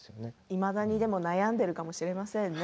いまだに悩んでるかもしれませんね